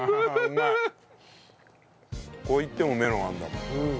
どこいってもメロンあるんだもん。